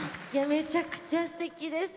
めちゃくちゃすてきでした。